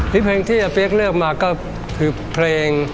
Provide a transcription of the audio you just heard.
ลิปเพลงที่อัพยักษ์เลือกมาก็คือเพลง